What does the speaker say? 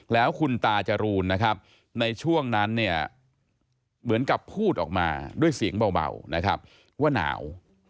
แล้วคุณตาจรูนนะครับในช่วงนั้นเนี่ยเหมือนกับพูดออกมาด้วยเสียงเบานะครับว่าหนาว